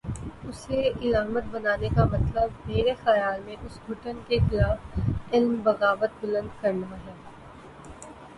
اسے علامت بنانے کا مطلب، میرے خیال میں اس گھٹن کے خلاف علم بغاوت بلند کرنا ہے۔